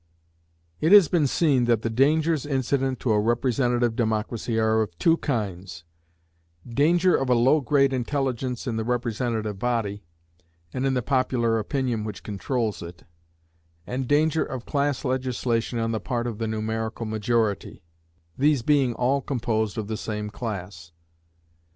It has been seen that the dangers incident to a representative democracy are of two kinds: danger of a low grade of intelligence in the representative body, and in the popular opinion which controls it; and danger of class legislation on the part of the numerical majority, these being all composed of the same class.